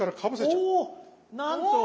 なんと！